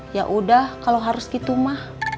yaudah kalau harus gitu ma